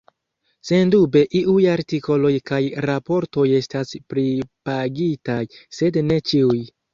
Sendube iuj artikoloj kaj raportoj estas pripagitaj, sed ne ĉiuj.